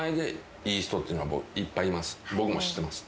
僕も知ってます。